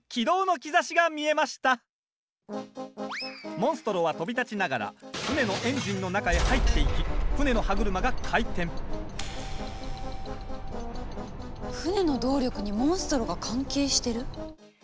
モンストロは飛び立ちながら船のエンジンの中へ入っていき船の歯車が回転船の動力にモンストロが関係してる？